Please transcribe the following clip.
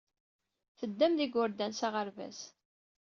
Teddam d yigerdan s aɣerbaz.